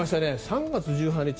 ３月１８日。